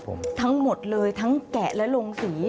ผมทั้งหมดเลยทั้งแกะและลงสี